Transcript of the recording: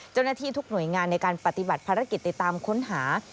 เจ้าหน้าที่ทุกหน่วยงานในการปฏิบัติภารกิจติดตามค้นหา